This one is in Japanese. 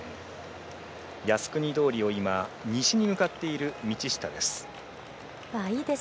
靖国通りを西に向かっている道下です。